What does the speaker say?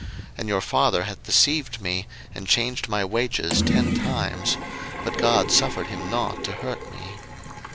01:031:007 And your father hath deceived me, and changed my wages ten times; but God suffered him not to hurt me.